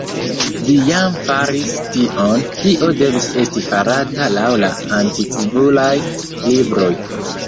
Vi jam faris tion, kio devis esti farata laŭ la Antikvulaj Libroj.